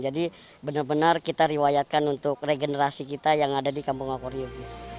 jadi benar benar kita riwayatkan untuk regenerasi kita yang ada di kampung akurium